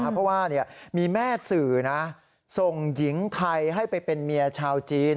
เพราะว่ามีแม่สื่อนะส่งหญิงไทยให้ไปเป็นเมียชาวจีน